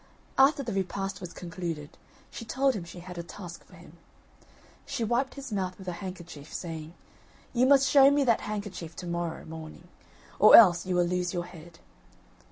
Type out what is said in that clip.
After the repast was concluded, she told him she had a task for him. She wiped his mouth with a handkerchief, saying: "You must show me that handkerchief to morrow morning, or else you will lose your head."